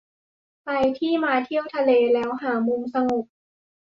ใครที่มาเที่ยวทะเลแล้วหามุมสงบ